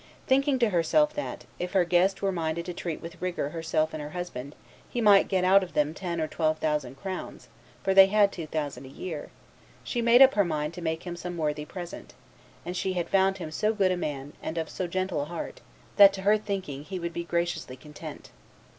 Thinking to herself that, if her guest were minded to treat with rigor herself and her husband, he might get out of them ten or twelve thousand crowns, for they had two thousand a year, she made up her mind to make him some worthy present; and she had found him so good a man, and of so gentle a heart, that, to her thinking, he would be graciously content.